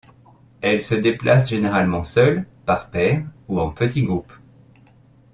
Elles se déplacent généralement seules, par paires ou en petit groupes.